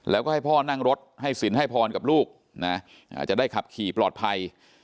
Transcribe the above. แล้วก็ให้พ่อนั่งรถให้สินให้พรกับลูกนะจะได้ขับขี่ปลอดภัย